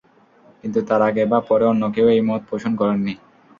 কিন্তু তার আগে বা পরে অন্য কেউ এ মত পোষণ করেন নি।